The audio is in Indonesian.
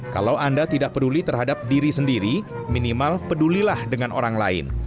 kalau anda tidak peduli terhadap diri sendiri minimal pedulilah dengan orang lain